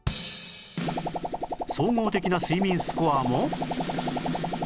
総合的な睡眠スコアも